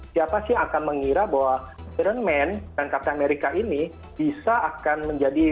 siapa sih akan mengira bahwa iron man dan captain america ini bisa akan menjadi